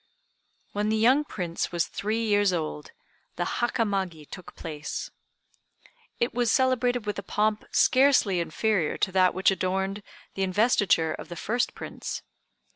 When the young Prince was three years old the Hakamagi took place. It was celebrated with a pomp scarcely inferior to that which adorned the investiture of the first Prince.